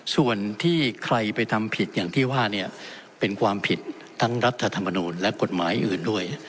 ส่วนที่ใครไปทำผิดอย่างที่ว่าเนี่ยเป็นความผิดทั้งรัฐธรรมนูลและกฎหมายอื่นด้วย